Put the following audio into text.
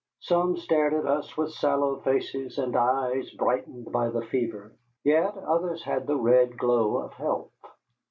Some stared at us with sallow faces and eyes brightened by the fever, yet others had the red glow of health.